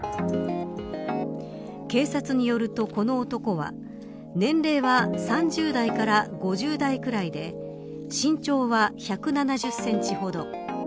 警察によると、この男は年齢は３０代から５０代くらいで身長は１７０センチほど。